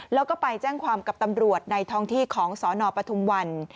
แล้วก็ไปแจ้งความกับตำรวจในท้องที่ของสนปทุมวัน